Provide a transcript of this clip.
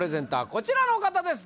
こちらの方です